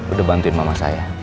udah bantuin mama saya